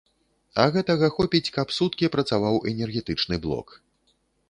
А гэтага хопіць, каб суткі працаваў энергетычны блок.